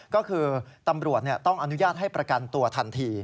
ก็คือตำรวจต้องอนุญาตให้ประกันตัวทันที